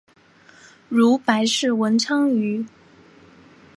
如白氏文昌鱼。